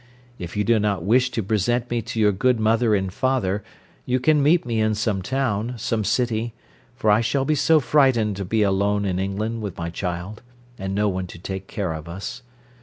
If you do not wish to present me to your good mother and father you can meet me in some town, some city, for I shall be so frightened to be alone in England with my child, and no one to take care of us.